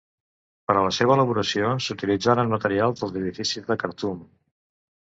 Per a la seva elaboració s'utilitzaren materials dels edificis de Khartum.